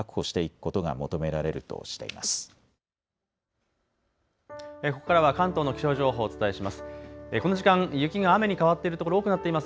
ここからは関東の気象情報をお伝えします。